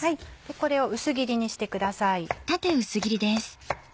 これを薄切りにしてください。